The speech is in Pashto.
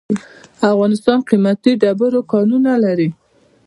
افغانستان قیمتي ډبرو کانونه لري.